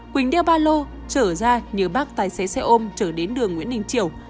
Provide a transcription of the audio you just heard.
quỳnh đeo ba lô trở ra như bác tài xế xe ôm trở đến đường nguyễn đình triều